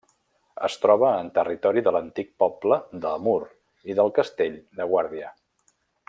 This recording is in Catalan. Es troba en territori de l'antic poble de Mur i del Castell de Guàrdia.